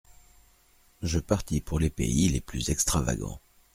Je partis pour les pays les plus extravagants.